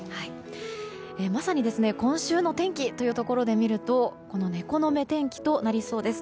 まさに、今週の天気というところで見るとこの猫の目天気となりそうです。